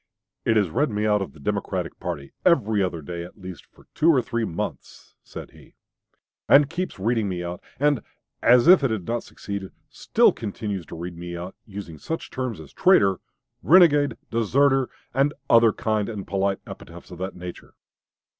"It has read me out of the Democratic party every other day, at least, for two or three months," said he, "and keeps reading me out; and, as if it had not succeeded, still continues to read me out, using such terms as 'traitor,' 'renegade,' 'deserter,' and other kind and polite epithets of that nature."